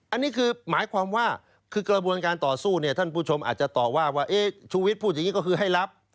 อันนี้คือหมายความว่าคือกระบวนการต่อสู้เนี่ยท่านผู้ชมอาจจะตอบว่าว่าชูวิทย์พูดอย่างนี้ก็คือให้รับ